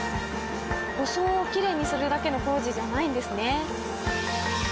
装をきれいにするだけの工事じゃないんですね。